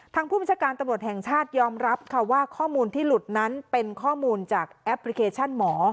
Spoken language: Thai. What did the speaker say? ผู้บัญชาการตำรวจแห่งชาติยอมรับค่ะว่าข้อมูลที่หลุดนั้นเป็นข้อมูลจากแอปพลิเคชันหมอ